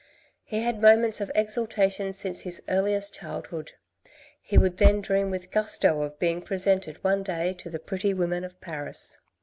He had had moments of exultation since his earliest child hood. He would then dream with gusto of being presented one day to the pretty women of Paris.